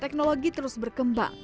teknologi terus berkembang